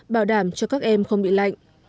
bảo đảm cho các em không bị lạnh